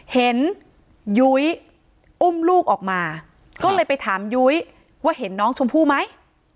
เห็นยุ้ยอุ้มลูกออกมาก็เลยไปถามยุ้ยว่าเห็นน้องชมพู่ไหม